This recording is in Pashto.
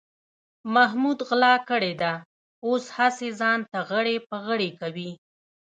محمود غلا کړې ده، اوس هسې ځان تغړې پغړې کوي.